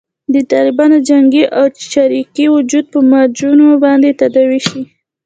د طالبانو جنګي او چریکي وجود په معجونو باندې تداوي شي.